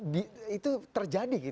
dan itu terjadi gitu